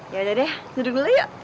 yaudah deh duduk dulu yuk